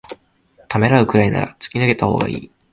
ためらうくらいなら突き抜けたほうがいい